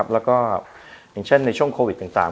แล้วก็อย่างเช่นในช่วงโควิดต่าง